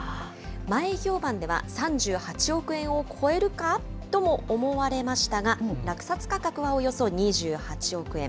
前評判では３８億円を超えるか？とも思われましたが、落札価格はおよそ２８億円。